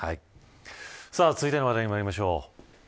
さあ続いての話題にまいりましょう。